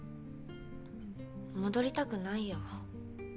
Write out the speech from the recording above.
戻りたくないよ。